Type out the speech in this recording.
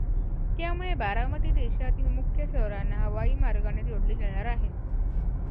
त्यामुळे बारामती देशातील मुख्य शहरांना हवाईमार्गाने जोडली जाणार आहे.